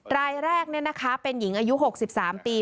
รายแรกเป็นหญิงอายุ๖๓ปี